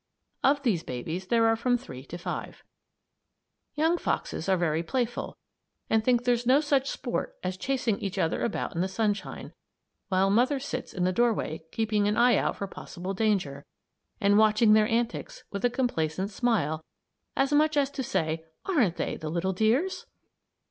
Of these babies there are from three to five. Young foxes are very playful and think there's no such sport as chasing each other about in the sunshine, while mother sits in the doorway keeping an eye out for possible danger and watching their antics with a complacent smile, as much as to say: "Aren't they the little dears!"